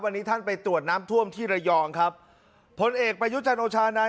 วันนี้ท่านไปตรวจน้ำท่วมที่ระยองครับผลเอกประยุจันทร์โอชานาย